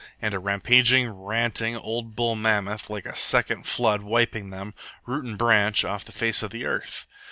And a rampaging, ranting, old bull mammoth, like a second flood, wiping them, root and branch, off the face of the earth!